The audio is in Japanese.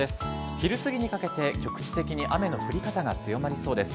昼すぎにかけて局地的に雨の降り方が強まりそうです。